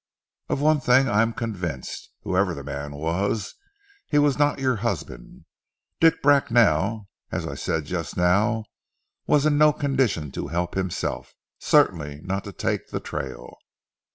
Of one thing I am convinced: whoever the man was he was not your husband. Dick Bracknell, as I said just now, was in no condition to help himself, certainly not to take the trail."